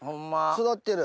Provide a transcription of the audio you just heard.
育ってる。